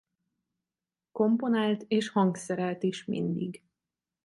Komponált és hangszerelt is mindig.